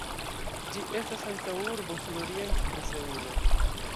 Ĝi estas antaŭurbo sudoriente de Seulo.